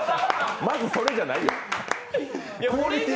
まずそれじゃないよ。